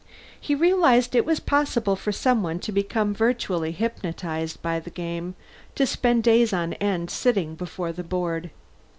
He realized it was possible for someone to become virtually hypnotized by the game, to spend days on end sitting before the board.